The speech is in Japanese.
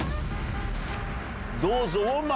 どうぞを？